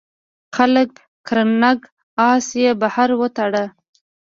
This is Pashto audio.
خپل کرنګ آس یې بهر وتاړه.